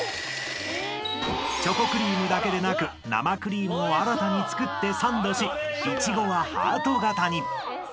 ［チョコクリームだけでなく生クリームを新たに作ってサンドしイチゴはハート形に］